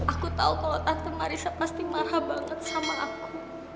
aku tahu kalau tante marissa pasti marah banget sama aku